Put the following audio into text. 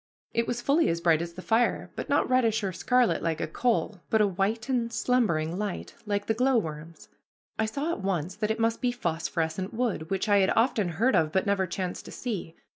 It was fully as bright as the fire, but not reddish or scarlet like a coal, but a white and slumbering light, like the glowworm's. I saw at once that it must be phosphorescent wood, which I had often heard of, but never chanced to see.